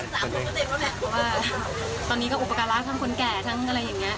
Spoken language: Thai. เพราะว่าตอนนี้ก็อุปกรณ์รักทั้งคนแก่ทั้งอะไรอย่างนี้